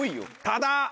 ただ。